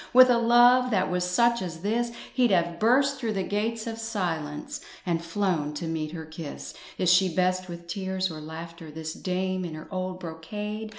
With a love that was such as this He'd have burst through the gates of silence, And flown to meet her kiss." Is she best with tears or laughter, This dame in her old brocade?